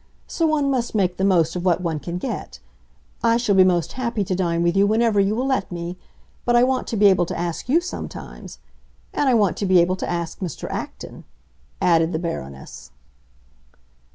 —so one must make the most of what one can get. I shall be most happy to dine with you whenever you will let me; but I want to be able to ask you sometimes. And I want to be able to ask Mr. Acton," added the Baroness.